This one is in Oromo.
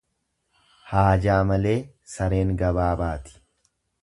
Haajaa malee sareen gabaa baati.